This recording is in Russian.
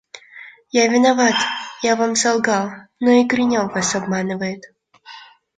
– Я виноват, я вам солгал; но и Гринев вас обманывает.